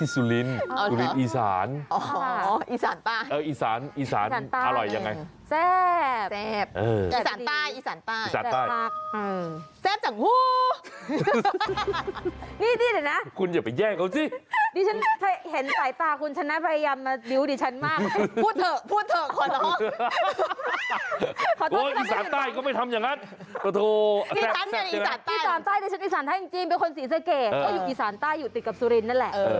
สุรินเป็นคนสีเซอร์เกย์ก็อยู่อีสานใต้อยู่ติดกับสุรินนั่นแหละ